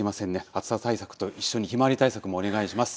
暑さ対策と一緒に、ひまわり対策もお願いします。